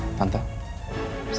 kok yang tau sama